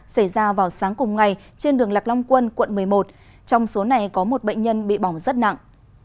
xảy ra vào sáng cùng ngày trên đường lạc long quân quận một mươi một trong số này có một bệnh nhân bị bỏng rất nặng